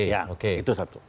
ya itu satu